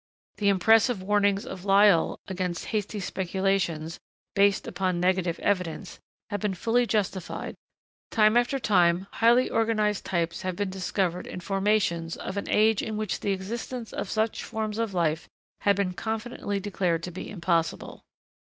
The impressive warnings of Lyell against hasty speculations, based upon negative evidence, have been fully justified; time after time, highly organised types have been discovered in formations of an age in which the existence of such forms of life had been confidently declared to be impossible.